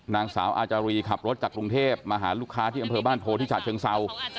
นางสาวอาจารีขับรถจากกรุงเทพมาหาลูกค้าที่อำเภอบ้านโพที่ฉะเชิงเศร้า